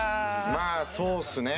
まあそうですね。